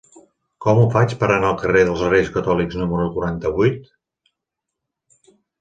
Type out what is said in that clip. Com ho faig per anar al carrer dels Reis Catòlics número quaranta-vuit?